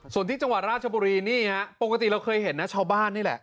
ส่วนที่จังหวัดราชบุรีนี่ฮะปกติเราเคยเห็นนะชาวบ้านนี่แหละ